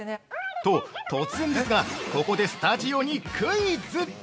◆と、突然ですがここでスタジオにクイズ。